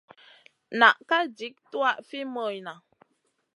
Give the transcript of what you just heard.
Na ka jik tuwaʼa fi moyna.